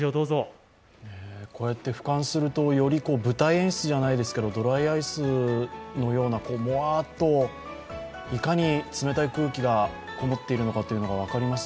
こうやってふかんすると舞台演出じゃないですけどドライアイスのような、もわっと、いかに冷たい空気がこもっているのかが分かります。